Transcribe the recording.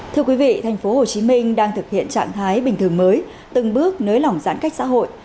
thưa quý vị tp hcm đang thực hiện trạng thái bình thường mới từng bước nới lỏng giãn cách xã hội